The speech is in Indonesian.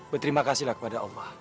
berterima kasih kepada allah